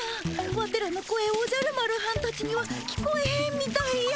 ワテらの声おじゃる丸はんたちには聞こえへんみたいや。